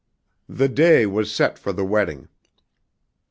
The day was set for the wedding.